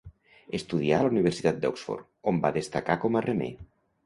Estudià a la Universitat d'Oxford, on va destacar com a remer.